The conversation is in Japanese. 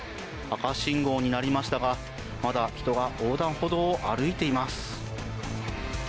赤信号になりましたがまだ人が横断歩道を歩いています。